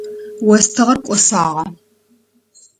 Остыгъэр кӏосагъэ.